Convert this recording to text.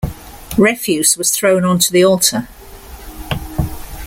Refuse was thrown onto the altar.